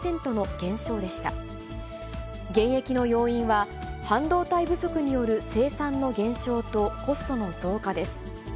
減益の要因は、半導体不足による生産の減少と、コストの増加です。